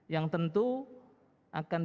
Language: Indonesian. yang tentu akan